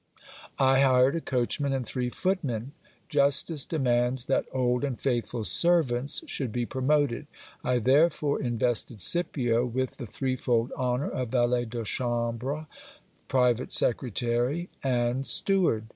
I hired a coachman and three footmen. Justice demands that old and faithful servants should be promoted ; I therefore invested Scipio with the threefold honour of valet de chambre, private secretary, and steward.